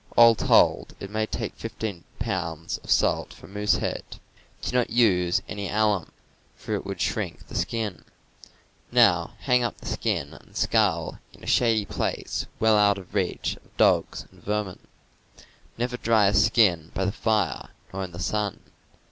All told, it may take fifteen pounds of salt for a moose head. Do not use any alum, for it would shrink the skin. Now hang up the skin and skull in a shady place, well out of reach of dogs and vermin. Never dry a skin by the fire nor in the sun.